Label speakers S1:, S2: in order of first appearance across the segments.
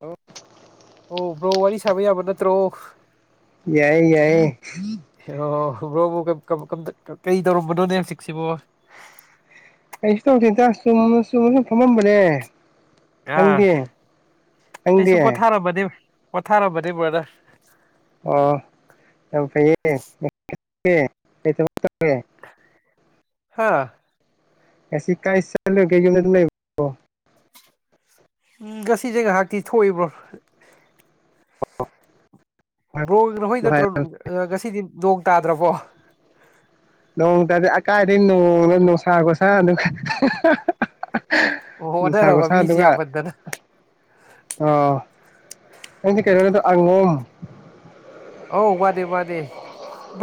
S1: hello
S2: ꯭ꯔꯣ ꯋꯥꯔꯤ ꯁꯥꯕ ꯌꯥꯕ ꯅꯠꯇ꯭ꯔꯣ
S1: ꯌꯥꯏ ꯌꯥꯏꯌꯦ
S2: ꯍ ꯁꯨꯕ꯭ꯔꯣꯕꯨ ꯀꯩ ꯇꯧꯔꯝꯕꯅꯣꯅꯦ ꯍꯧꯖꯤꯛꯁꯤꯕꯣ
S1: ꯑꯩꯁꯨ ꯇꯧꯁꯤꯦ ꯆꯨꯝ ꯆꯨꯝꯃꯁꯨꯨꯝ ꯐꯝꯃꯝꯕꯅꯦ
S2: ꯑꯥ
S1: ꯅꯪꯗꯤ ꯅꯪꯗꯤ
S2: ꯑꯩꯁꯨ ꯄꯣꯊꯥꯔꯕꯗꯤ ꯑꯣꯊꯥꯔꯕꯗꯤꯕꯗ
S1: ꯑꯣ ꯌꯥ ꯐꯩꯌꯦ ꯇꯔꯦ
S2: ꯍꯥꯥ
S1: ꯀꯁꯤ ꯀꯥꯏꯁ ꯂꯩ ꯀꯩ
S2: ꯎꯝ ꯉꯁꯤꯁꯦ ꯉꯥꯏꯍꯥꯛꯇꯤ ꯊꯣꯛꯏꯕ꯭ꯔꯣ ꯣꯛ ꯅ ꯍꯣꯏ ꯅꯠꯇ꯭ꯔꯣ ꯉꯁꯤꯗꯤ ꯅ ꯇꯥꯗ꯭ꯔꯕꯣ
S1: ꯅꯣꯡꯇꯗꯤ ꯑꯀꯥꯏꯗꯒꯤꯩ ꯅꯣꯡꯅ ꯅꯨꯡꯁꯥꯒꯣ ꯁꯥꯥ ꯑꯗꯨꯒ
S2: ꯑꯣ
S1: ꯅꯨꯡꯁꯥ
S2: ꯑꯣꯟꯅꯔꯕ
S1: ꯒꯁꯥꯗꯨ
S2: ꯃꯤꯁꯦ
S1: ꯑꯣ
S2: ꯌꯥꯝꯃꯟꯗꯅ
S1: ꯑꯩꯪꯁꯦ ꯀꯩꯅꯣꯗ ꯑꯉꯝ
S2: ꯑ ꯋꯥꯗꯦ ꯋꯥꯗꯦ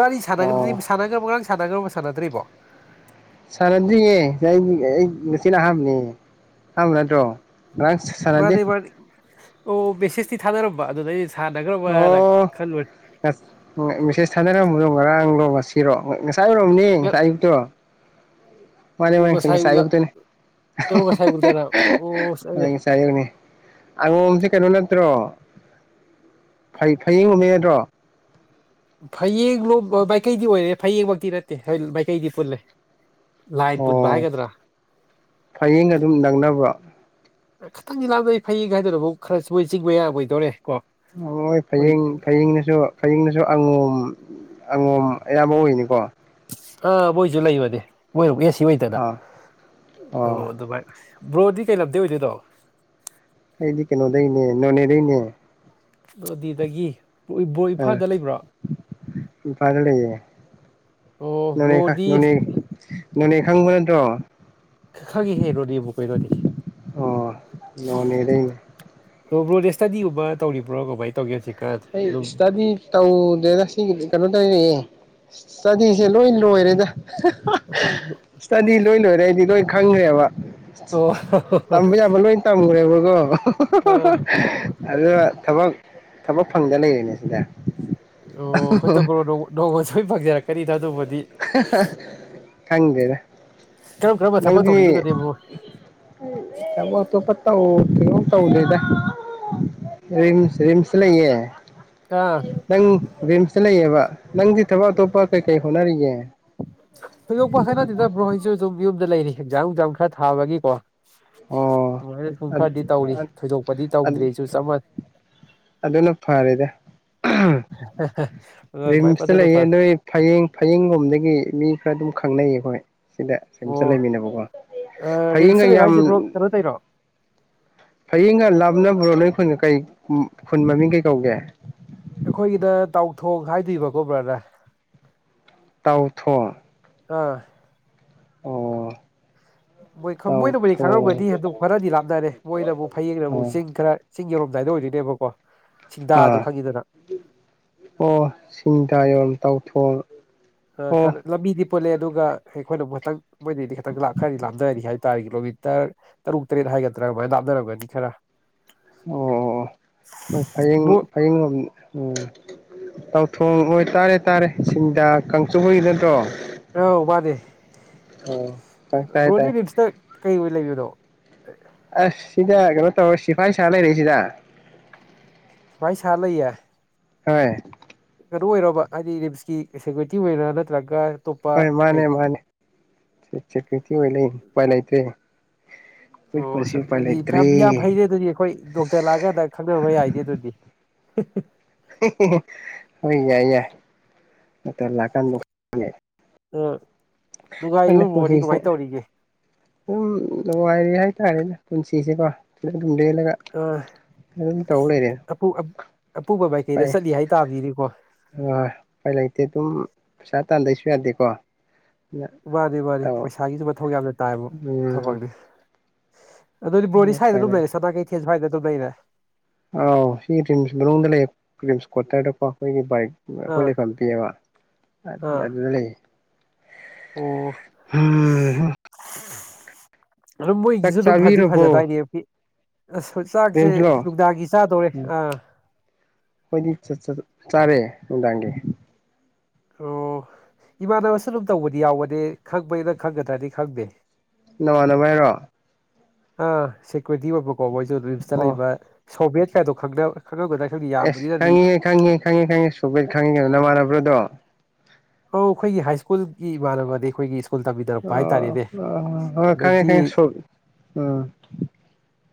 S2: ꯥꯔꯤ ꯁꯥꯟꯅꯒꯗꯤ
S1: ꯑꯣ
S2: ꯁꯅꯒ ꯃꯥꯡ ꯁꯥꯟꯅꯒꯕ ꯁꯥꯟꯅꯗ꯭ꯔꯤꯕꯣ
S1: ꯁꯥꯟꯅꯗ꯭ꯔꯤꯌꯦ ꯑꯩ ꯑꯩ ꯉꯁꯤꯅ ꯑꯍꯥꯟꯕꯅꯦ ꯑꯍꯥꯟꯕ ꯅꯠꯇ꯭ꯔꯣ ꯉꯔꯥꯡ ꯁꯥꯟꯅꯗꯦ
S2: ꯃꯥꯅꯤ ꯃꯥꯅꯤ ꯑꯣ ꯦꯁꯦꯁꯇꯤ ꯊꯗꯔꯣꯕꯥ ꯑꯗꯨꯗꯩ
S1: ꯑꯣ ꯃꯦꯁꯦꯁ ꯊ ꯔꯕꯨꯗꯝ ꯃꯔ ꯑ ꯂꯣ ꯋꯥꯁꯤꯔꯣ ꯉꯁꯥꯏꯔꯣꯝꯅꯤ ꯉꯥꯏꯨꯕꯛꯇꯣ ꯃꯥꯅꯦ ꯃꯥꯅꯦꯁꯪ ꯉꯁꯥꯏ ꯌꯣꯛꯛꯇꯣꯏꯅꯦ
S2: ꯉꯁꯥꯏ ꯎꯗꯔ ꯑꯣ ꯑꯩ
S1: ꯍꯡ ꯉꯁꯥꯏꯌꯨꯅꯤ ꯑꯉꯣꯝꯁꯦ ꯀꯩꯅꯣꯅ ꯅꯠꯇ꯭ꯔꯣꯩ ꯐꯌꯦꯡ ꯎꯨꯝꯃꯦꯗ꯭ꯔꯣ
S2: ꯐꯌꯦꯡ ꯂꯣ ꯃꯥꯏꯀꯩꯗꯤ ꯑꯣꯏꯔꯦ ꯐꯌꯦꯡꯃꯛꯇꯤ ꯅꯠꯇꯦ ꯃꯥꯏꯀꯩꯗꯤ ꯄꯨꯜꯂꯦ ꯂꯥꯏꯟ ꯄꯨꯟꯕ
S1: ꯑꯣ
S2: ꯍꯥꯏꯒꯗ꯭ꯔꯥ
S1: ꯐꯌꯦꯡ ꯑꯗꯨꯝ ꯅꯪꯅꯕ
S2: ꯈꯤꯇꯪꯗꯤ ꯂꯥꯥꯟꯗꯩ ꯐꯩꯒꯥꯏꯗꯅꯛ ꯈꯔꯁꯨ ꯃꯣꯏ ꯆꯤꯡꯕ ꯌꯥꯕꯣꯏꯗꯧꯔꯦ
S1: ꯣꯏ ꯐꯌꯦꯡ ꯐꯌꯦꯡꯅꯁꯨ ꯐꯌꯦꯡꯅꯁꯨ ꯑꯉꯣꯝ ꯑꯪꯉꯣꯝ ꯑꯌꯥꯝꯕ ꯑꯣꯏꯅꯤꯀꯣ
S2: ꯑ ꯣꯏꯁꯨ ꯂꯩ ꯃꯗꯤꯦꯣꯏ ꯌꯦꯁ ꯁꯤ ꯃꯩꯇꯗ
S1: ꯑꯥ
S2: ꯑꯣ ꯑꯗꯨꯚꯥꯏ ꯕ꯭ꯔꯣꯗꯤ ꯀꯩ ꯂꯝꯗꯦ ꯑꯣꯏꯗꯣꯏꯗꯣ
S1: ꯑꯩꯗꯤ ꯀꯩꯅꯣꯗꯩꯅꯦ ꯅꯣꯅꯦꯗꯩꯅꯦ
S2: ꯑꯗꯨꯗꯤꯗꯗꯒꯤ ꯕꯣ
S1: ꯑꯥ
S2: ꯏꯝꯐꯥꯜꯗ ꯂꯩꯕ꯭ꯔꯥ
S1: ꯏꯝꯐꯥꯜꯗ ꯂꯩꯌꯦ
S2: ꯑꯣ ꯕ꯭ꯔꯣꯗꯤ
S1: ꯅꯪ ꯅꯩꯅꯈꯪꯕꯅꯠꯇꯣ
S2: ꯈꯪꯉꯦ ꯍꯦ ꯔꯣꯗꯤꯕꯨ ꯀꯣꯏꯔꯣꯗꯤ
S1: ꯑꯣ ꯅꯣꯅꯦꯗꯩꯅꯦ
S2: ꯑꯣꯣꯗꯤ ꯁ꯭ꯇꯗꯤꯒꯕ ꯇꯧꯔꯤꯕ꯭ꯔꯣ ꯕꯥꯥꯏ ꯇꯧꯒꯦ ꯁꯤꯦ
S1: ꯑꯩ ꯏꯁꯇꯗꯤ ꯇꯧꯗꯦꯅ ꯁꯤ ꯀꯩꯅꯣ ꯇꯧꯔꯌꯦꯦ ꯆꯖꯤꯁꯦ ꯂꯣꯏ ꯂꯣꯏꯔꯦꯗ ꯁꯇꯗꯤ ꯂꯣꯏ ꯂꯣꯏꯔꯦ ꯑꯩꯗꯤ ꯂꯣꯏ ꯈꯪꯈ꯭ꯔꯦꯕ
S2: ꯑꯣ
S1: ꯇꯝꯕ ꯌꯥꯕ ꯂꯣꯏ ꯇꯝꯈ꯭ꯔꯦꯕꯀꯣ
S2: ꯑꯥ
S1: ꯑꯗꯨ ꯊꯕꯛ ꯊꯕꯛ ꯐꯪꯗꯅ ꯂꯩꯔꯤꯅꯦ ꯁꯤꯗ
S2: ꯑꯣ ꯍꯣꯏꯗꯁꯨꯣꯏ ꯐꯖꯔꯛ ꯀꯔꯤ ꯊꯥ ꯑꯗꯨꯕ
S1: ꯈꯪꯗꯦꯗ
S2: ꯀꯔꯝ ꯀꯔꯝꯕ ꯊꯕꯛ
S1: ꯅꯪꯗꯤ
S2: ꯇꯧꯅꯤꯡꯉꯤꯅꯣꯅꯦ ꯕ꯭ꯔꯣ
S1: ꯆꯣ ꯄꯠꯇ ꯀꯩꯅꯣꯝ ꯇꯧꯗꯦꯗ ꯔꯤꯝꯁ ꯔꯤꯝꯁ ꯂꯩꯌꯦ
S2: ꯑꯥ
S1: ꯅꯪ ꯝ ꯆꯠꯂꯩꯌꯦꯕ ꯅꯪꯗꯤ ꯊꯕꯛ ꯑꯇꯣꯞ ꯄꯥ ꯀꯩ ꯀꯩ ꯍꯣꯅꯔꯤ ꯌꯦꯡ
S2: ꯍ ꯂꯣꯛ ꯄꯈꯦꯅ ꯣ ꯍꯁ ꯌ ꯑ ꯂꯩꯔꯤ ꯑꯦꯛꯖꯥꯥꯡ ꯅꯨꯡꯖꯝ ꯈꯔ ꯊꯥꯕꯒꯤꯀꯣ
S1: ꯑꯣ
S2: ꯑꯗꯨꯃꯥꯏꯅ ꯁꯨꯝ ꯈꯔꯗꯤ ꯇꯧꯔꯤ ꯊꯣꯏꯗꯣꯛꯄꯗꯤ ꯇꯧꯗ꯭ꯔꯤ ꯑꯩꯁꯨ ꯆꯞ
S1: ꯑꯗꯨꯅ ꯐꯔꯦꯗ
S2: ꯃꯥꯟꯅꯩ ꯚꯥꯏ
S1: ꯔꯤꯝꯁꯇ
S2: ꯑꯗꯨꯅ
S1: ꯂꯩꯌꯦ
S2: ꯐꯔꯦ
S1: ꯑꯣꯏ ꯐꯌꯦꯡ ꯐꯌꯦꯡ ꯂꯣꯝꯗꯒꯤ ꯃꯤ ꯈꯔ ꯑꯗꯨꯝ ꯈꯪꯅ ꯌꯦ ꯑꯩꯈꯣꯏ ꯁꯤꯗ ꯁꯨꯝ
S2: ꯑꯣ
S1: ꯆꯠꯂꯃꯤꯕꯀꯣ ꯐꯌꯦꯡꯒ ꯌꯥꯝ
S2: ꯆꯠ ꯇꯩꯔꯣ
S1: ꯍꯌꯦꯡꯒ ꯂꯥꯞꯅ ꯕꯣꯔꯣꯂꯣꯏ ꯈꯨꯟꯒ ꯀꯩ ꯈꯨꯟ ꯃꯃꯤꯡ ꯀꯩ ꯀꯧꯒꯦ
S2: ꯑꯩꯈꯣꯏꯒꯤꯗ ꯇꯥꯎꯊꯣꯛ ꯍꯥꯏꯗꯣꯏꯔꯤꯕꯀꯣꯕ꯭ꯔꯥꯅ
S1: ꯇꯧꯊꯣ
S2: ꯑꯥ
S1: ꯑꯣ
S2: ꯃꯣꯏ ꯃꯣꯏꯅꯕꯨꯗꯤ
S1: ꯇꯥꯎꯊꯣꯡ
S2: ꯈꯪꯉꯝꯒꯗꯤ ꯑꯗꯨꯛ ꯈꯔꯗꯤ ꯂꯥꯞꯅꯔꯦ ꯃꯣꯏꯅꯕꯨ ꯐꯌꯦꯡꯅꯕꯨ
S1: ꯑꯥ
S2: ꯆꯤꯡ ꯈꯔ ꯆꯤꯡ ꯌꯧꯔ ꯀꯗꯥꯏꯗ ꯑꯣꯏꯗꯦꯕꯀꯣ
S1: ꯑꯥ ꯑꯣ ꯁꯤꯡꯗꯥꯥꯌꯣꯟ ꯇꯥꯎꯊꯣꯡ ꯑꯣ
S2: ꯈꯔ ꯂꯝꯕꯤꯗꯤ ꯄꯨꯜꯂꯦ ꯑꯗꯨꯒ ꯑꯩꯈꯣꯏꯅ ꯑꯃꯨꯊꯪ ꯃꯣꯏꯗꯤ ꯈꯤꯇꯪ ꯂꯥꯛꯦ ꯈꯔꯗꯤ ꯂꯥꯞꯅꯔꯅꯤ ꯍꯥꯏꯕ ꯇꯥꯔꯦ ꯀꯤꯂꯣꯃꯤꯇꯔ ꯇꯔꯨꯛ ꯇꯔꯦꯠ ꯍꯥꯏꯒꯗ꯭ꯔꯥ ꯑꯗꯨꯃꯥꯏꯅ ꯂꯥꯞꯅꯔꯝꯒꯅꯤ ꯈꯔ
S1: ꯑꯣ ꯑꯣ ꯑꯣ ꯍꯣꯏ ꯐꯌꯦꯡ
S2: ꯕ꯭ꯔꯣ
S1: ꯐꯌꯦꯡ ꯎꯝ ꯇꯧꯊꯣꯡ ꯑꯣꯏꯇꯥꯥꯔꯦ ꯇꯥꯔꯦ ꯁꯤꯡꯗꯥ ꯀꯥꯡꯆꯨ ꯍ ꯅꯠꯇ꯭ꯔꯣ
S2: ꯑꯧ ꯋꯥ ꯗꯦ
S1: ꯑꯣ ꯇꯥꯏ ꯇꯥꯏ ꯇꯥꯏ
S2: ꯕ꯭ꯔꯣꯗꯤ ꯔꯤꯞꯁꯇ ꯀꯩ ꯑꯣꯏ ꯂꯩꯔꯤꯅꯣ
S1: ꯑꯁ ꯁꯤꯗ ꯀꯩꯅꯣ ꯇꯧꯔ ꯁꯤꯐꯥꯏ ꯁꯥ ꯂꯩꯔꯁꯤꯗ
S2: ꯋꯥꯏ ꯆꯂ ꯏ ꯌꯥ
S1: ꯍꯣꯏ
S2: ꯀꯩꯅꯣ ꯑꯣꯏꯔꯕ ꯍꯥꯏꯗꯤ ꯔꯤꯝꯁꯀꯤ ꯁꯦꯀ꯭ꯌꯨꯔꯤꯇꯤ ꯑꯣꯏꯅ ꯅꯠꯇ꯭ꯔꯒ ꯑꯇꯣꯞꯄ
S1: ꯍꯣꯏ
S2: ꯀꯩ
S1: ꯃꯥꯅꯦ ꯃꯥꯅꯦ ꯁꯦꯀꯨꯔꯤꯇꯤ ꯑꯣꯏ ꯂꯩ ꯎꯄꯥꯏ ꯂꯩꯇꯦ
S2: ꯑꯣ ꯑꯗꯨꯗꯤ ꯌꯥꯝ ꯐꯩꯔꯦ ꯑꯗꯨꯗꯤ ꯑꯩꯈꯣꯏ ꯗꯣꯛꯇꯔ ꯂꯥꯛꯑꯒꯥꯟꯗ ꯈꯪꯅꯕ ꯌꯥꯏꯅꯦ ꯑꯗꯨꯗꯤ [inaudible]
S1: ꯌꯥꯏ ꯌꯥꯏ ꯗꯣꯛꯇꯔ ꯂꯥꯛꯀꯥꯟꯗ
S2: ꯑꯥ ꯗꯨꯥꯏꯔꯤꯕ
S1: ꯈꯪꯗꯦ
S2: ꯃꯣꯗꯤ
S1: ꯄꯨꯟꯁꯤꯁꯦ
S2: ꯀꯃꯥꯏꯅ ꯇꯧꯔꯤꯒꯦ
S1: ꯑꯗꯨꯝ ꯅꯨꯡꯉꯥꯏꯔꯦ ꯍꯥꯏꯇꯥꯔꯦꯅꯦ ꯄꯨꯟꯁꯤꯁꯦꯀꯣ ꯁꯨꯝ ꯂꯦꯜꯂꯒ
S2: ꯑ
S1: ꯑꯗꯨꯝ ꯇꯧ ꯂꯩꯔꯦ
S2: ꯑꯄꯨ ꯑꯄꯨꯕ ꯃꯥꯏꯀꯩꯗ
S1: ꯐꯩ
S2: ꯆꯠꯂꯤ ꯍꯥꯏ ꯇꯥꯕꯅꯤꯅꯦꯀꯣ
S1: ꯑ ꯎꯄꯥꯏ ꯂꯩꯇꯦ ꯑꯗꯨꯝ ꯄꯩꯁꯥ ꯇꯥꯟꯗꯁꯨ ꯌꯥꯗꯦꯀꯣ ꯑꯗꯨꯅ
S2: ꯃꯥꯅꯤ ꯃꯥꯅꯤ
S1: ꯇꯧ
S2: ꯄꯩꯁꯥꯒꯤꯁꯨ ꯃꯊꯧ ꯌꯥꯝ ꯇꯥꯏꯕꯨ ꯊꯕꯛꯇꯤ
S1: ꯎꯝ
S2: ꯑꯗꯨꯗꯤ ꯕꯔꯣꯗꯤ
S1: ꯎꯄꯥꯏ
S2: ꯁꯥꯏꯗꯨꯝ
S1: ꯂꯩ
S2: ꯃꯦꯁꯦ ꯇ ꯀꯩ ꯀꯁ ꯁꯋꯥꯏꯗ ꯑꯗꯨꯝ ꯂꯩꯔꯦ
S1: ꯑꯥꯎ ꯁꯤ ꯔꯤꯝꯁ ꯃꯅꯨꯡꯗ ꯂꯩ ꯔꯤꯝꯁ ꯀꯋꯥꯇꯔꯗꯀꯣ ꯑꯩꯈꯣꯏꯒꯤ ꯕꯥꯏꯛ ꯑꯩꯈꯣꯏ
S2: ꯑꯥ
S1: ꯂꯩꯐꯝ ꯄꯤꯑꯦꯕ
S2: ꯑꯥ
S1: ꯑꯗꯨꯗ ꯂꯩꯌꯦ
S2: ꯑꯣ
S1: ꯎꯝ
S2: ꯑꯗꯨꯝ
S1: ꯆꯥꯛ
S2: ꯃꯣꯏꯒꯤꯁꯨ ꯑꯗꯨꯝ ꯐꯗꯤ
S1: ꯆꯥꯕꯤꯔꯕꯣ
S2: ꯐꯖꯗꯥꯏꯅꯦ ꯑꯁ ꯆꯥꯛꯁꯦ
S1: ꯔꯤꯝꯁꯂꯣ
S2: ꯅꯨꯡꯗꯥꯡꯒꯤ ꯆꯥꯗꯧꯔꯦ ꯑꯥ
S1: ꯑꯩꯈꯣꯏꯗꯤ ꯆꯥꯔꯦ ꯅꯨꯡꯗꯥꯡꯒꯤ
S2: ꯑꯣ ꯏꯃꯥꯟꯅꯕꯁꯨ ꯑꯗꯨꯝ ꯇꯧꯕꯗꯤ ꯌꯥꯎꯕꯅꯤ ꯈꯪꯕꯩꯅ ꯈꯪꯒꯗ꯭ꯔꯗꯤ ꯈꯪꯗꯦ
S1: ꯅꯃꯥꯟꯅꯕ ꯍꯥꯏꯔꯣ
S2: ꯑ ꯁꯦꯀꯨꯔꯤꯇꯤ ꯑꯣꯏꯕ ꯀꯣ ꯃꯣꯏ ꯖꯣꯟ ꯔꯤꯝꯁꯇ
S1: ꯑꯣ
S2: ꯂꯩꯕ ꯁꯣꯚꯦꯠ ꯀꯥꯏꯗꯣ ꯈꯪꯅ
S1: ꯑꯦꯁ ꯈꯪꯉꯤꯍꯦ ꯈꯪꯉꯤꯍꯦ ꯈꯪꯉꯤ ꯈꯪꯉꯦ ꯁꯨꯄꯦꯠ ꯈꯪꯉꯤ ꯀꯩꯅꯣ ꯅꯃꯥꯟꯅꯕ꯭ꯔ ꯑꯗꯣ
S2: ꯑꯧ ꯑꯩꯈꯣꯏꯒꯤ ꯍꯥꯏ ꯁ꯭ꯀꯨꯜꯒꯤ ꯏꯃꯥꯟꯅꯕꯅꯤ ꯑꯩꯈꯣꯏꯒꯤ ꯁ꯭ꯀꯨꯜ
S1: ꯑ
S2: ꯇꯝꯃꯤꯟꯅꯔꯛꯄ ꯍꯥꯏꯇꯥꯔꯦꯅꯦ
S1: ꯑ ꯈꯪꯉꯦ
S2: ꯑꯗꯒꯤ
S1: ꯈꯪꯉꯦ ꯁꯨ ꯑ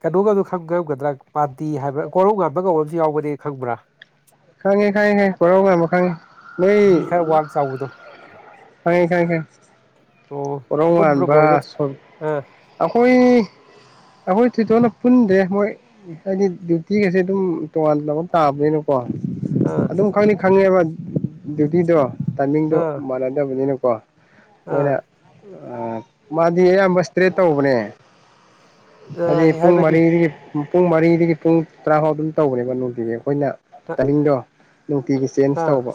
S2: ꯀꯩꯅꯣꯒꯗꯨ ꯈꯪꯔꯝꯒꯗ꯭ꯔꯥ ꯄꯥꯟꯇꯤ ꯍꯥꯏꯕ꯭ꯔꯥ ꯀꯣꯔꯧ ꯉꯥꯟꯕꯒꯝꯨ ꯌꯥꯎꯕꯅꯦ ꯈꯪꯕ꯭ꯔꯥ
S1: ꯈꯪꯉꯦ ꯈꯪꯉꯦ ꯀꯣꯔꯧ ꯉꯥꯟꯕ ꯈꯪꯉꯦ ꯅꯣꯏ
S2: ꯃꯤ ꯈꯔ ꯋꯥꯡ ꯆꯥꯎꯕꯗꯣ
S1: ꯈꯪꯉꯦ ꯈꯪꯉꯦ ꯈꯪꯉꯦ
S2: ꯑꯣ ꯄꯨꯟꯕ꯭ꯔꯣ
S1: ꯀꯣꯔꯧꯉꯥꯟꯕ
S2: ꯕꯣꯏꯒ
S1: ꯁꯣ
S2: ꯑꯥ
S1: ꯑꯩꯈꯣꯏ ꯑꯩꯈꯣꯏ ꯊꯣꯏꯗꯣꯛꯅ ꯄꯨꯟꯗ꯭ꯔꯦ ꯃꯣꯏ ꯍꯥꯏꯗꯤ ꯗ꯭ꯌꯨꯇꯤꯒꯁꯦ ꯑꯗꯨꯝ ꯇꯣꯉꯥꯟ ꯇꯥꯕꯅꯤꯅꯀꯣ
S2: ꯑꯥ
S1: ꯑꯗꯨꯗꯀꯅꯤ ꯈꯪꯉꯦꯕ ꯗ꯭ꯌꯨꯇꯤꯗꯣ ꯇꯥꯏꯃꯤꯡꯗꯣ ꯃꯥꯟꯅꯗꯕꯅꯤꯅ ꯀ
S2: ꯑꯥ
S1: ꯑꯣꯏꯅ ꯑ ꯃꯗꯤꯝꯕꯁ ꯇ꯭ꯔꯦꯠ ꯇꯧꯕꯅꯦ ꯍꯥꯏꯗꯤ
S2: ꯑꯥ
S1: ꯄꯨꯡ
S2: ꯍꯥꯏꯕꯗꯤ
S1: ꯃꯔꯤꯗꯒꯤ ꯄꯨꯡ ꯃꯔꯤꯗꯒꯤ ꯄꯨꯡ ꯇꯔꯥ ꯐꯥꯎ ꯑꯗꯨꯝ ꯇꯧꯕꯅꯦꯕ ꯅꯨꯡꯇꯒꯤ ꯑꯩꯈꯣꯏꯅ ꯇꯗꯣ ꯅꯨꯡꯇꯤꯒꯤ ꯆꯦꯟꯖ
S2: ꯑꯥ
S1: ꯇꯧꯕ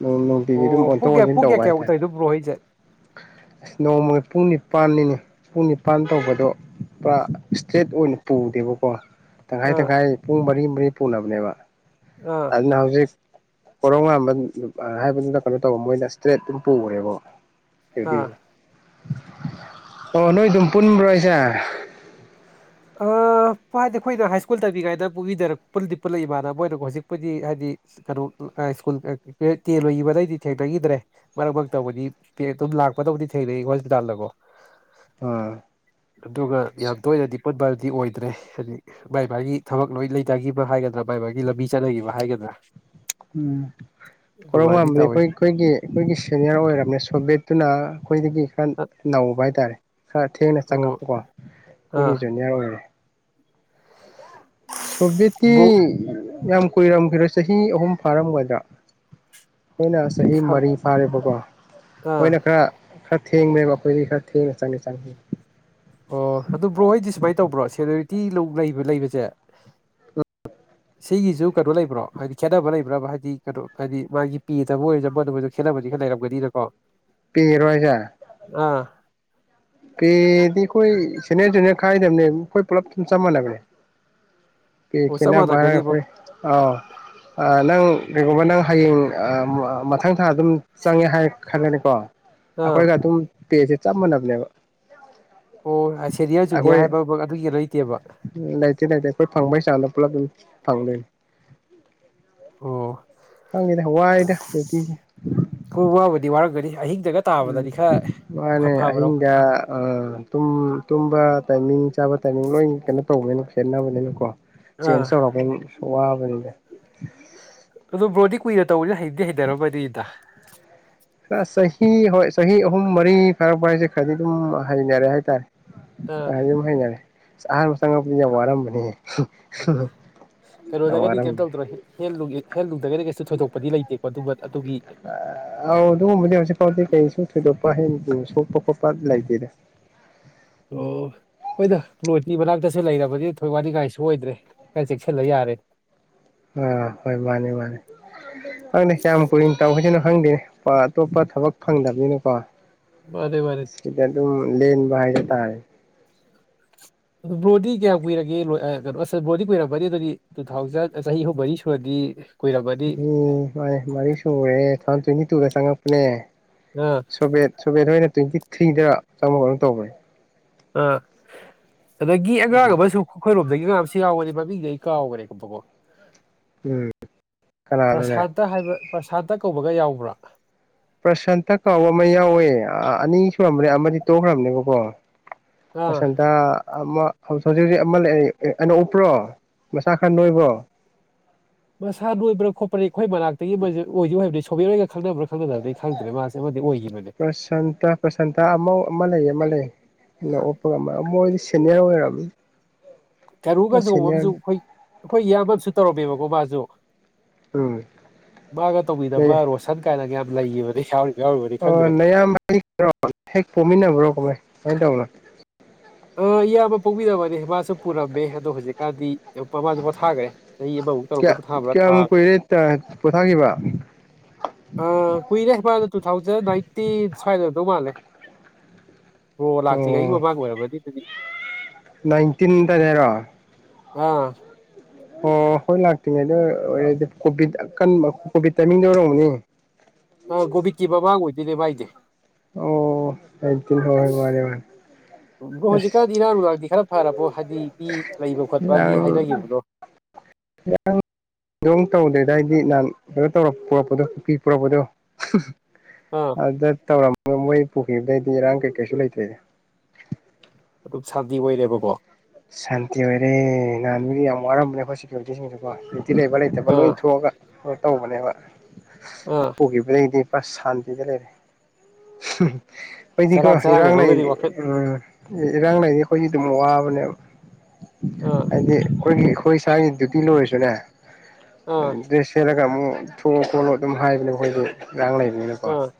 S1: ꯅꯨꯡꯇꯤꯒꯤ ꯑꯗꯨꯝ
S2: ꯑꯣ ꯄꯨꯡ
S1: ꯑꯣꯟꯊꯣꯛ
S2: ꯀꯌꯥ
S1: ꯑꯣꯟꯁꯤꯟ
S2: ꯄꯨꯡ ꯀꯌꯥ
S1: ꯇꯧꯕ
S2: ꯀꯌꯥꯃꯨꯛ
S1: ꯍꯥꯏꯇꯥꯔꯦ
S2: ꯇꯧꯔꯤꯅꯣ ꯕ꯭ꯔꯣ ꯍꯣꯏꯁꯦ
S1: ꯑꯁ ꯅꯣꯡꯃꯒꯤ ꯄꯨꯡ ꯅꯤ ꯅꯤꯄꯥꯜꯅꯤꯅꯦ ꯄꯨꯡ ꯅꯤꯄꯥꯟ ꯇꯧꯕꯗꯣ ꯄꯨꯔꯥ ꯏꯁꯇ꯭ꯔꯦꯠ ꯑꯣꯏꯅ ꯄꯨꯗꯦꯕꯀꯣ ꯇꯪꯈꯥꯏ
S2: ꯑꯥ
S1: ꯇꯪꯈꯥꯏ ꯄꯨꯡ ꯃꯔꯤ ꯃꯔꯤ ꯄꯨꯣꯂꯕꯅꯦꯕ
S2: ꯑꯥ
S1: ꯑꯗꯨ ꯍꯧꯖꯤ ꯄꯣꯔꯧ ꯉꯝꯕ ꯍꯥꯏꯕꯗꯨꯗ ꯀꯩꯅꯣ ꯇꯧꯕ ꯃꯣꯏꯅ ꯏꯁꯇ꯭ꯔꯦꯠ ꯑꯗꯨꯝ ꯄꯨꯈ꯭ꯔꯦꯕ ꯁꯤꯕꯤ
S2: ꯑꯥ
S1: [inaudible] ꯑꯣ ꯅꯣꯏ ꯑꯗꯨꯝ ꯄꯨꯟꯕ꯭ꯔꯣ ꯍꯥꯏꯁꯦ
S2: ꯑ ꯍꯥꯏꯗꯤ ꯑꯩꯈꯣꯏꯅ ꯍꯥꯏ ꯁ꯭ꯀꯨꯜ ꯇꯝꯕꯤ ꯀꯥꯏꯗꯗ ꯄꯨ ꯄꯨꯜꯂꯛ ꯏꯃꯥꯟꯅꯕ ꯃꯣꯏꯅ ꯍꯧꯖꯤꯛꯄꯨꯗꯤ ꯍꯥꯏꯗꯤ ꯀꯩꯅꯣ ꯁꯀꯨꯜ ꯇꯦꯟ ꯂꯣꯏ ꯃꯗꯩꯗꯤ ꯊꯦꯡꯅꯈꯤꯗ꯭ꯔꯦ ꯃꯔꯛ ꯃꯔꯛꯛꯇꯧꯕꯗꯤ ꯑꯗꯨꯝ ꯂꯥꯛꯄꯗꯕꯨꯗꯤ ꯊꯦꯡꯅꯩ ꯍꯣꯁꯄꯤꯇꯥꯜꯗꯀꯣ ꯑꯗꯨꯒ ꯌꯥꯝ ꯇꯣꯏꯔꯗꯤ ꯐꯨꯠꯕꯜꯗꯤ ꯑꯣꯏꯗ꯭ꯔꯦ ꯍꯥꯏꯖꯤꯗꯤ ꯃꯥꯕꯥꯥꯏ ꯃꯥꯒꯤ ꯊꯕꯛ ꯂꯣꯏ ꯂꯩꯇꯈꯤꯕ ꯍꯥꯏꯒꯗ꯭ꯔꯥ ꯕꯥꯥꯏ ꯃꯥꯒꯤ ꯂꯝꯕꯤ ꯆꯠꯅꯈꯤꯕ ꯍꯥꯏꯒꯗ꯭ꯔꯥ
S1: ꯎꯝ ꯀꯔꯣ
S2: ꯑꯗꯨꯃꯥꯏꯅꯗꯤ
S1: ꯉꯥꯟꯕꯗꯤ
S2: ꯇꯧꯋꯤ
S1: ꯑꯩꯈꯣꯏ ꯑꯩꯈꯣꯏꯒꯤ ꯑꯩꯈꯣꯏꯒꯤ ꯁꯦꯅꯤꯌꯔ ꯑꯣꯏꯔꯕꯅꯦ ꯁꯣꯕꯦꯠꯇꯨꯅ ꯑꯩꯈꯣꯏꯗꯒꯤ ꯈꯔ ꯅꯧꯕ ꯍꯥꯏꯇꯥꯔꯦ ꯈꯔ ꯊꯦꯡꯅ
S2: ꯑꯣ
S1: ꯆꯪꯉꯛꯄꯀꯣ
S2: ꯑꯥ
S1: ꯑꯩꯈꯣꯏꯒꯤ ꯖꯨꯅꯤꯌꯔ ꯑꯣꯏꯔꯦ ꯁꯕꯖꯤꯇ
S2: ꯕ꯭ꯔꯣ
S1: ꯌꯥꯝ ꯀꯨꯏꯔꯝꯈꯤꯔ ꯆꯍꯤ ꯑꯍꯨꯝ ꯐꯥꯔꯝꯒꯗ ꯃꯈꯣꯏꯅ ꯆꯍꯤ ꯃꯔꯤ ꯐꯥꯔꯦꯕꯀꯣ
S2: ꯑꯥ
S1: ꯃꯣꯏꯅ ꯈꯔ ꯈꯔ ꯊꯦꯡꯅꯦꯕ ꯑꯩꯈꯣꯏꯗꯤ ꯈꯔ ꯊꯦꯡꯅ ꯆꯪꯉꯤ ꯆꯪꯉ
S2: ꯑꯣ ꯑꯗꯨ ꯕ꯭ꯔꯣ ꯍꯣꯏꯗꯤ ꯁꯨꯃꯥꯏꯅ ꯇꯧꯕ꯭ꯔꯣ ꯁꯦꯅꯨꯔꯤꯇꯤ ꯂ ꯂꯩꯕ ꯂꯩꯕꯁꯦ ꯁꯤꯒꯤꯁꯨ ꯀꯩꯅꯣ ꯂꯩꯕ꯭ꯔꯣ ꯍꯥꯏꯗꯤ ꯈꯦꯠꯅꯕ ꯂꯩꯕ꯭ꯔꯕ ꯍꯥꯏꯗꯤ ꯀꯩꯅꯣ ꯍꯥꯏꯗꯤ ꯃꯥꯒꯤ ꯄꯦꯗꯕ ꯑꯣꯏꯔ ꯃꯗ ꯑꯣꯏꯣꯏꯗ ꯈꯦꯠꯅꯕꯗꯤ ꯈꯔ ꯂꯩꯔꯝꯒꯅꯤꯅꯀꯣ
S1: ꯄꯤꯔꯔꯣꯢꯌꯦ
S2: ꯑꯥ
S1: ꯐꯦꯗꯤ ꯑꯩꯈꯣꯏ ꯁꯦꯅꯤꯌꯔ ꯖꯨꯅꯤꯌꯔ ꯈꯥꯏꯗꯕꯅꯦ ꯑꯩꯈꯣꯏ ꯄꯨꯂꯞ ꯁꯨꯝ ꯆꯞ ꯃꯥꯟꯅꯕꯅꯦ
S2: ꯑꯣ ꯆꯞ
S1: ꯀꯈꯦꯅ ꯔ
S2: ꯃꯥꯟꯅꯒꯅꯦꯕ
S1: ꯑꯩꯈꯣꯏ ꯑꯥꯎ ꯑ ꯅꯪ ꯀꯩꯒꯨꯝꯕ ꯅꯪ ꯍꯌꯦꯡ ꯃꯊꯪ ꯊꯥ ꯑꯗꯨꯝ ꯆꯪꯉꯦ ꯍꯥꯏ ꯈꯜꯂꯅꯤꯀꯣ
S2: ꯑꯥ
S1: ꯑꯈꯣꯏ ꯀ ꯑꯗꯨꯝ ꯄꯦꯁꯦ ꯆꯞ ꯃꯅꯕꯅꯦꯕ [inaudible]
S2: ꯑꯣ ꯁꯦꯅꯤꯌꯔ ꯖꯨꯅꯤꯌꯔ
S1: ꯑꯩꯈꯣꯏ
S2: ꯍꯥꯏꯕ ꯑꯃ ꯑꯗꯨꯒꯤ ꯂꯩꯇꯦꯕ
S1: ꯎ ꯂꯩꯇꯦ ꯂꯩꯇꯦ ꯑꯩꯈꯣꯏ ꯐꯪꯕꯩ ꯆꯥꯡꯗꯣ ꯄꯨꯂꯞ ꯑꯗꯨꯝ ꯐꯪꯗꯣꯢꯅꯤ
S2: ꯑꯣ
S1: ꯈꯪꯗꯦꯗ ꯋꯥꯏꯗ ꯗ꯭ꯌꯨꯇꯤꯖꯦ
S2: ꯍꯣꯏ ꯋꯥꯕꯨꯗꯤ ꯋꯥꯔꯝꯒꯅꯤ ꯑꯍꯤꯡꯗꯒ
S1: ꯎꯝ
S2: ꯇꯥꯕꯗꯗꯤ ꯈꯔ
S1: ꯃꯥꯅꯦ
S2: ꯐꯕ꯭ꯔꯣ
S1: ꯑꯍꯤꯡꯗ ꯑ ꯇꯨꯝ ꯇꯨꯝꯕ ꯇꯥꯏꯃꯤꯡ ꯆꯥꯕ ꯇꯥꯏꯃꯤꯡ ꯂꯣꯏ ꯀꯩꯅꯣ ꯇꯧꯕꯅꯤꯅ ꯈꯦꯠꯅꯕꯅꯤꯅꯀꯣ
S2: ꯑꯥ
S1: ꯆꯦꯟꯁ ꯇꯧꯔꯛ ꯋꯥꯕꯅꯤꯗ
S2: ꯑꯗꯣ ꯕ꯭ꯔꯣꯗꯤ ꯀꯨꯏꯅ ꯇꯧꯕꯅꯤꯅ ꯍꯩꯗꯤ ꯍꯩꯩꯅꯔꯝꯃꯅꯤꯗ
S1: ꯈꯔ ꯆꯍꯤ ꯍꯣꯏ ꯆꯍꯤ ꯑꯍꯨꯝ ꯃꯔꯤ ꯐꯥꯔꯛꯄ ꯍꯥꯏꯁꯦ ꯈꯔꯗꯤ ꯑꯗꯨꯝ ꯍꯩꯅꯔꯦ ꯍꯥꯏꯇꯥꯔꯦ ꯑ
S2: ꯑꯥ
S1: ꯑꯗꯨꯝ ꯍꯩꯅꯔꯦ ꯑꯁ ꯑꯍꯥꯟꯕ ꯆꯪꯉꯛꯄꯗꯗꯤ ꯌꯥꯝ ꯋꯥꯔꯝꯕꯅꯤ
S2: ꯀꯩꯅꯣꯗꯒꯗꯤ ꯀꯩꯝ
S1: ꯋꯥꯔꯝꯕꯅꯦ
S2: ꯇꯧꯗ꯭ꯔꯣ ꯍ ꯍꯦꯟꯂꯨꯡꯗꯒꯗꯤ ꯀꯩꯁꯨ ꯊꯣꯏꯗꯣꯛ ꯄꯗꯤ ꯂꯩꯇꯦꯀꯣ ꯑꯗꯨꯕꯨ
S1: ꯑꯥꯎ ꯑꯗꯨꯒꯨꯝꯕꯗꯤ ꯍꯧꯖꯤꯛ ꯐꯥꯎꯕꯗꯤ ꯀꯩꯁꯨ ꯊꯣꯢꯗꯣꯛꯄꯗꯤ ꯄ ꯍꯦꯟ ꯁꯣꯛꯄ ꯈꯣꯠꯄ ꯂꯩꯇꯦꯗ
S2: ꯑꯣ ꯍꯣꯢꯗ ꯄ꯭ꯂꯣꯠꯀꯤ ꯃꯅꯥꯛꯇꯁꯨ ꯂꯩꯔꯕꯗꯤ ꯊꯣꯏ ꯋꯥꯅꯤ ꯀꯥꯏꯁꯨ ꯑꯣꯏꯗ꯭ꯔꯦ ꯈꯔ ꯆꯦꯛꯁꯤꯜꯂ ꯌꯥꯔꯦ
S1: ꯑꯥ ꯍꯣꯏ ꯃꯥꯅꯤ ꯃꯥꯅꯤ ꯈꯪꯗꯦ ꯀꯌꯥꯝ ꯀꯨꯔꯤꯅ ꯇꯧꯁꯤꯅꯣ ꯈꯪꯗꯦꯅꯦ ꯑꯇꯣꯞꯄ ꯊꯕꯛ ꯐꯪꯗꯕꯅꯤꯅꯀꯣ
S2: ꯃꯥꯅꯦ ꯃꯥꯅꯦ
S1: ꯁꯤꯗ ꯑꯗꯨꯝ ꯂꯦꯟ ꯍꯥꯏꯗꯣ ꯇꯥꯔꯦ
S2: ꯕ꯭ꯔꯣꯗꯤ ꯀꯌꯥꯝ ꯀꯨꯏꯔꯒꯦ ꯀꯩꯅꯣꯁ ꯕ꯭ꯔꯣꯗꯤ ꯀꯨꯏꯔꯛꯄꯅꯤ ꯑꯗꯨꯗꯤ ꯇꯨ ꯊꯥꯎꯖꯟ ꯆꯍꯤ ꯑꯍꯨꯝ ꯃꯔꯤ ꯁꯨꯔꯗꯤ ꯀꯨꯏꯔꯝꯃꯅꯤ
S1: ꯎꯝ ꯃꯥ ꯃꯥꯔꯤ ꯁꯨꯔꯦ ꯊꯥꯟ ꯊꯅꯤ ꯇꯨꯗ ꯁꯪꯛꯄꯅꯦ
S2: ꯑꯥ
S1: ꯁꯨꯕꯦꯠ ꯁꯨꯕꯦꯠ ꯍꯣꯢꯅ ꯇ꯭ꯋꯦꯟꯇꯤ ꯊ꯭ꯔꯤꯗ ꯆꯪꯉꯒ ꯑꯗꯨꯝ ꯇꯧꯕꯅꯦ
S2: ꯑ ꯑꯗꯒꯤ ꯑꯉꯥꯡ
S1: ꯎꯝ
S2: ꯑꯃꯁꯨ ꯑꯩꯈꯣꯏꯔꯣꯝꯗꯒꯤ ꯏ ꯉꯥꯁꯤ ꯌꯥꯎꯈꯅꯤ ꯃꯃꯤꯡꯗꯤ ꯑꯩ ꯀꯥꯎꯈ꯭ꯔꯦ ꯀꯨꯝꯕꯀꯣ
S1: ꯎꯝ ꯀꯅꯥꯅꯣꯅꯦ
S2: ꯄ꯭ꯔꯁꯥꯟꯇ ꯍꯥꯏꯕ ꯄ꯭ꯔꯁꯥꯟ ꯍꯛ ꯀꯧꯕꯒ ꯌꯥꯎꯕ꯭ꯔꯥ
S1: ꯄ꯭ꯔꯁꯥꯟꯇ ꯀꯥꯎꯕ ꯑꯃ ꯌꯥꯎꯋꯦ ꯑꯅꯤ ꯈ꯭ꯔꯝꯕꯅꯦ ꯑꯃꯗꯤ ꯇꯣꯛꯈ꯭ꯔꯕꯅꯦꯕꯀꯣ
S2: ꯑꯥ
S1: ꯄ꯭ꯔꯁꯥꯟꯇ ꯑꯃ ꯍꯧ ꯍꯧꯖꯤꯛ ꯍꯧꯖꯤꯛ ꯑꯃ ꯂꯩ ꯑ ꯑꯅꫭꯞ ꯎꯞꯄ꯭ꯔꯣ ꯃꯁꯆꯥ ꯈꯔ ꯅꯣꯏꯕ꯭ꯔꯣ
S2: ꯃꯁꯥ ꯅꯣꯏꯕ꯭ꯔꯥ ꯈꯣꯠꯄ꯭ꯔꯥ ꯑꯩꯈꯣꯏ ꯃꯅꯥꯛꯇꯒꯤ ꯑꯃꯗꯤ ꯑꯣꯏꯗꯤ ꯑꫭꯏꯕꯅꯤ ꯊꯣꯕꯤꯔꯒ ꯈꯪꯅꯕ꯭ꯔꯥ ꯈꯪꯅꯗꯕꯗꯤ ꯈꯪꯗ꯭ꯔꯦ ꯃꯥꯁꯦ ꯑꯃꯗꯤ ꯑꯣꯏ
S1: ꯄ꯭ꯔꯁꯥꯟꯇꯥ ꯄ꯭ꯔꯁꯥꯟꯇꯥ ꯑꯃ ꯑꯃ ꯂꯩꯌꯦ ꯃ ꯂꯩ ꯂꯦꯑꫭꯄꯒ ꯃ ꯃꯣꯏꯗꯤ ꯁꯦꯅꯤꯌꯥꯔ ꯑꯣꯏꯔꯝꯅꯤ
S2: ꯀꯩꯅꯨꯒ ꯆꯒꯕ ꯑꯃꯁꯝꯨ ꯑꯩꯈꯣꯏ ꯑꯩꯈꯣꯏ ꯏꯌꯥꯝꯕꯨ ꯇꯧꯔꯝꯃꯦꯕꯀꯣ ꯃꯥꯁꯨ
S1: ꯎꯝ
S2: ꯃꯥꯒ ꯇꯧꯕꯤꯅꯕ ꯔꯣꯁꯟ ꯀꯥꯏꯅꯒ ꯌꯥꯝ ꯂꯩꯈꯤꯕꯅꯤ ꯁꯥꯝ
S1: ꯑꯣ ꯅꯌꯥꯝ [unintelligible] ꯍꯦꯛ ꯄꯣꯝꯃꯤꯟꯅꯕ꯭ꯔꯣ ꯕꫭꯏ ꯍꯥꯏ ꯇꯧꯂ
S2: ꯑ ꯏꯌꯥꯝꯕ ꯄꯣꯛꯕꯤꯔꯝꯕꯅꯦ ꯃꯥꯁꯨ ꯄꯨꯔꯝꯃꯦ ꯑꯗꯣ ꯍꯧꯖꯤꯛꯀꯥꯟꯗꯤ ꯄꯥꯃ ꯄꯣꯊꯥꯈ꯭ꯔꯦ ꯆꯍꯤ ꯑꯃꯃꯨꯛ ꯇꯧꯔ
S1: ꯀꯌꯥ
S2: ꯄꯣꯊꯥꯕ꯭ꯔꯥ ꯊꯥ
S1: ꯀꯌꯥꯝ ꯀꯨꯏꯔꯦ ꯄꯣꯊꯥꯈꯤꯕ
S2: ꯑ ꯀꯨꯏꯔꯦ ꯃꯥꯅ ꯇꯨ ꯊꯥꯎꯖꯟ ꯅꯥꯏꯟꯇꯤꯟ ꯁ꯭ꯋꯥꯏꯗꯗꯧ ꯃꯥꯜꯂꯦ ꯑꯣ ꯂꯥꯛꯆꯒꯦ ꯑꯩꯒꯤ ꯃꯕꯥꯥꯡ ꯑꯣꯏꯔꯕꯗꯤ ꯎ
S1: ꯅꯥꯏꯟꯇꯤꯟꯗꯅꯦꯔꯣ
S2: ꯑꯥ
S1: ꯑꯣ ꯍꯣꯏ ꯂꯥꯛꯇ꯭ꯔꯤꯉꯩ ꯑꯗꯣ ꯑꯣꯏꯔꯗꯤ ꯀꯣꯚꯤꯠꯟꯕ ꯀꯣꯚꯤꯠ ꯇꯥꯏꯃꯤꯡꯗ ꯑꯣꯏꯔꯕꯅꯤ
S2: ꯑ ꯀꯣꯕꯤ ꯀꯤꯕꯥꯚ ꯑꯣꯏ ꯗꯤ ꯚꯥꯏꯗꯦ
S1: ꯑꯣ ꯑꯩꯛꯇ ꯍ ꯃꯥꯔ
S2: ꯐꯔ ꯕꯣ ꯍꯥꯏꯗꯤ ꯄ ꯂꯩꯕ ꯈꯣꯠꯄꯒꯤ
S1: ꯏꯔꯥꯡ
S2: ꯍꯥꯏꯔꯈꯤꯕꯗꯣ
S1: ꯊꯣꯏꯗꯣꯛ ꯇꯧꯗꯦꯗ ꯅꯍꯥꯟ ꯍꯥꯏꯗꯤ ꯀꯩꯅꯣ ꯇꯧꯔ ꯄꯨꯔꯛꯄꯗꯣ ꯀꯀꯤ ꯄꯨꯔꯛꯄꯗꯣ
S2: ꯑꯥ
S1: ꯑꯗꯨꯗ ꯇꯧꯕꯔ ꯃꯣꯏ ꯄꯨꯈꯤꯕꯗꯩꯗꯤ ꯏꯔꯥꯡ ꯀꯩ ꯀꯩꯁꯨ ꯂꯩꯇꯣꯏ
S2: ꯑꯗꯨꯝ ꯁꯥꯟꯇꯤ ꯑꯣꯏꯔꯦꯕꯀꯣ
S1: ꯁꯥꯟꯇꯤ ꯑꯣꯏꯔꯦ ꯅꯍꯥꯟ ꯃꯤꯗꯤ ꯌꯥꯝ ꯋꯥꯔꯝꯕꯅꯦ ꯑꯈꫭꯏ ꯁꯦꯀ꯭ꯌꯨꯔꯤꯇꯤꯁꯤꯡꯗꯨꯀꯣ ꯂꯩꯕ ꯂꯥꯇꯕ ꯂꫭꯏ
S2: ꯑꯥ
S1: ꯊꯣꯛꯑꯒ ꯇꯧꯕꯅꯦꯕ
S2: ꯑꯥ
S1: ꯄꯨꯒꯤꯕꯗꯩꯗꯤ ꯄꯨꯔꯥ ꯁꯥꯟꯇꯤꯗ ꯂꯩꯔꯦ ꯑꯩꯈꯣꯏꯗꯤꯀꯣ
S2: ꯆꯔꯥꯡ
S1: ꯏꯔꯥꯡ
S2: ꯆꯔꯥꯡꯅꯔꯝꯒꯅꯤ
S1: ꯂꯩꯔꯤ
S2: ꯋꯥꯈꯜ
S1: ꯎꯝ ꯏꯔꯥꯡ ꯂꯩꯔꯤ ꯑꯩꯈꯣꯏꯒꯤ ꯑꯗꯨ ꯃꯕꯅꯦ
S2: ꯑꯥ
S1: ꯍꯥꯏꯗꯤ ꯑꯩꯈꯣꯏꯒꯤ ꯍꯣꯏ ꯁꯥꯏ ꯗꯗꯨꯇꯤ ꯂꯣꯏꯁꯨꯅꯦ
S2: ꯑꯥ
S1: ꯗꯦꯁꯂ ꯀ ꯑꯃ ꯊꯣꯡꯉ ꯈꯣꯠꯂꯣ ꯑꯗꯨꯝ ꯍꯥꯏꯕꯅꯦ ꯑꯩꯈꯣꯏꯁ ꯏꯥꯡ ꯂꯩꯕꯅꯤꯅꯀꯣ
S2: ꯑꯥ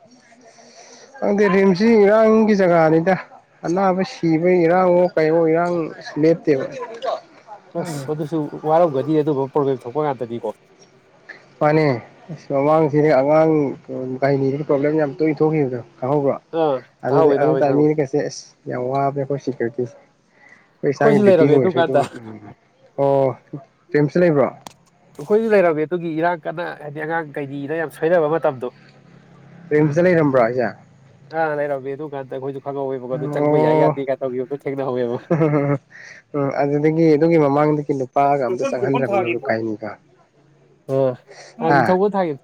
S1: ꯅꯪ ꯗꯦ ꯔꯤꯝꯁꯤ ꯏꯔꯥꯡꯒꯤ ꯖꯒꯥꯅꯤꯗ ꯑꯅꯥꯕ ꯁꯤꯕ ꯏꯔꯥꯡꯉꯣ ꯀꯩꯌꯣ ꯏꯔꯥꯡ ꯂꯦꯞꯇꯕ
S2: ꯑꯁ ꯑꯗꯨꯁꯨ ꯋꯥꯔꯧꯒꯗꯤ ꯑꯗꯨ ꯄꯣꯒꯂꯦꯝ ꯊꯣꯛꯄ ꯉꯥꯛꯇꯅꯤꯀꯣ
S1: ꯃꯥꯅꯦ ꯑꯁ ꯃꯃꯥꯡꯁꯤꯗꯤ ꯑꯉꯥꯡ ꯩꯅꯤꯒꯤ ꯄ꯭ꯔꯣꯕ꯭ꯂꯦꯝ ꯌꯥꯝ ꯇꯣꯏꯅ ꯊꯣꯛꯈꯤꯕꯗꯣ ꯈꯪꯍꯧꯕ꯭ꯔꯣ
S2: ꯑꯥ
S1: ꯑꯗꯨꯗ
S2: ꯇꯥꯍꯧꯋꯦ
S1: ꯑꯗꯨ
S2: ꯇꯥꯍꯧꯋꯦ
S1: ꯇꯔ
S2: ꯈꯪꯉꯦ
S1: ꯃꯤꯅ ꯀꯩꯁꯦ ꯑꯁ ꯌꯥ ꯋꯥꯦ ꯈꯣꯏꯤ ꯀꯔꯈꯤ ꯑꯩꯣꯏ ꯏꯁꯥꯒꯤ
S2: ꯑꯩꯈꯣꯏꯁꯨ
S1: ꯗꯗꯤꯌꯨꯇꯤ ꯂ
S2: ꯂꯩꯔꯝꯃꯦ
S1: ꯑꯣꯏꯔꯁꯨ ꯑꯗꯨꯝ
S2: ꯑꯗꯨꯀꯥꯟꯗ
S1: ꯎꯝ ꯑꯣ ꯄꯦꯝꯁꯨ ꯂꯩꯕ꯭ꯔꯣ
S2: ꯑꯩꯈꯣꯏꯁꯨ ꯂꯩꯔꯝꯃꯦ ꯑꯗꯨꯒꯤ ꯏꯔꯥꯡ ꯀꯟꯅ ꯍꯥꯏꯗꯤ ꯑꯉꯥꯡ ꯀꯩꯒꯤꯗ ꯌꯥꯝ ꯁꯣꯏꯅꯕ ꯃꯇꯝꯗꯣ
S1: ꯄꯦꯝꯇ ꯂꯩꯔꯝꯕ꯭ꯔꯥ ꯑꯩꯁꯦ
S2: ꯕ ꯑꯗꯨꯣꯗ ꯈꯨ
S1: ꯑꯣ
S2: ꯊꯦꯡꯅꯍꯧꯋꯦꯕ
S1: ꯎꯝ ꯑꯗꯨꯗꯒꯤ ꯑꯗꯨꯒꯤ ꯃꯃꯥꯡꯗꯒꯤ ꯅꯨꯄꯥꯒ ꯑꯝꯇ ꯆꯪꯍꯟꯗ꯭ꯔꯕꯅꯥꯏ
S2: ꯑ
S1: ꯍꯥ
S2: ꯊꯧ ꯊꯒꯦ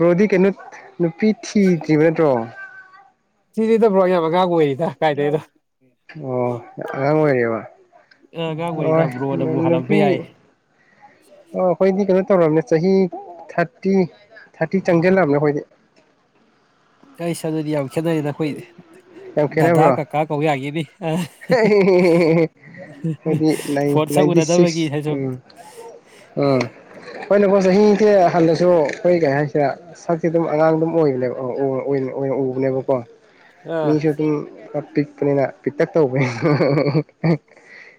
S1: ꯔꯣꯗꯤ ꯀꯩꯅꯣ ꯅꯨꯄꯤ ꯊꯤ ꯇꯔꯤꯕꯅꯦ ꯇꯣ
S2: ꯁꯤꯗꯤꯗꯕ꯭ꯔꯣ ꯌꯥꯕꯒꯥ ꯑꯣꯏꯔꯤꯗ ꯀꯥꯏꯗꯩꯗꯣ
S1: ꯑꯣ ꯉꯥꯡ ꯑꯣꯏꯔꯤ ꯋꯥ
S2: ꯑꯉꯥꯡ
S1: ꯍꯣꯏ
S2: ꯑꯣꯏꯔꯤꯗ ꯕ꯭ꯔꯣꯅꯕꯨ ꯍꯜꯂꯝꯕ
S1: ꯅꯨꯄꯤ
S2: ꯌꯥꯏ
S1: ꯑꯣ ꯑꯩꯈꯣꯏꯗꯤ ꯀꯩꯅꯣ ꯇꯧꯔꯕꯅꯦ ꯆꯍꯤ ꯊꯥꯔꯇꯤ ꯊꯥꯔꯇꯤ ꯆꯪꯁꯤꯜꯂꯕꯅꯦ ꯑꯩꯈꯣꯏꯗꯤ
S2: ꯆꯁ ꯑꯗꯨꯗꯤ ꯌꯥ ꯈꯦꯠꯅꯔꯤꯗ ꯑꯩꯈꯣꯏ ꯗꯗꯥꯗꯥ ꯀꯀꯥ ꯀꯧꯏ ꯍꯥꯏꯒꯦꯅꯤ ꯐꯣꯟ ꯁꯛ
S1: ꯍꯥꯏꯗꯤꯅꯥꯏꯟꯇꯤ
S2: ꯎꯅꯗꯕꯒꯤ
S1: ꯁꯤꯛꯁ
S2: ꯁꯨꯝ
S1: ꯎꯝ ꯎꯝ ꯍꯣꯏꯅꯀꯣ ꯆꯍꯤꯁꯦ ꯍꯟꯅꯁꯨ ꯑꯩꯈꯣꯏ ꯀꯩ ꯍꯥꯏꯁꯤꯗ ꯁꯛꯁꯦ ꯑꯗꯨꯝ ꯑꯉꯥꯡ ꯑꯗꯨꯝ ꯑꯣꯏꯕꯅꯦꯕ ꯑꯣꯏꯅ ꯎꯕꯅꯦꯕꯀꯣ ꯃꯤ
S2: ꯑꯥ
S1: ꯁꯇ ꯀꯄꯤ ꯑꯩꯈꯅꯤꯅ ꯇꯛ ꯇꯧꯒꯦ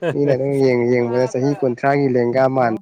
S1: ꯃꯤꯅ ꯑꯗꯨꯝ ꯌꯦꯡꯕꯗ ꯆꯍꯤ ꯀꯨꯟꯊ꯭ꯔꯥꯒꯤ ꯂꯦꯡꯒꯥ ꯃꯥꯟꯕ